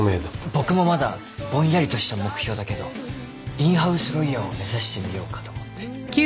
僕もまだぼんやりとした目標だけどインハウスロイヤーを目指してみようかと思って。